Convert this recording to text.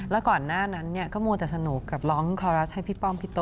แล้วก่อนหน้านั้นเนี่ยก็มัวแต่สนุกกับร้องคอรัสให้พี่ป้อมพี่โต